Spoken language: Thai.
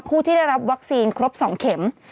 ผู้ที่ได้รับวัคซีนครบ๒เข็ม